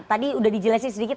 tadi sudah dijelaskan sedikit